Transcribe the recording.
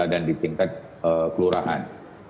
kemudian di tingkat kelurahan